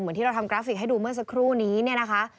เหมือนที่เราทำกราฟิกให้ดูเมื่อสักครู่นี้นะคะ